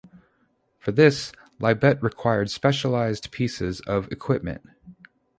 For this, Libet required specialized pieces of equipment.